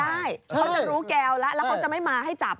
ใช่เขาจะรู้แก้วแล้วแล้วเขาจะไม่มาให้จับ